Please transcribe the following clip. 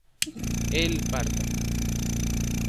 él parta